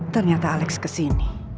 ternyata alex kesini